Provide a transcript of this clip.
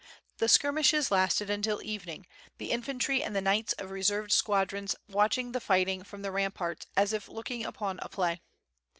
The skirmishes lasted until evening, the infantry and the knights of resen'ed squadrons watched the fighting from the ramparts as if looking upon a play.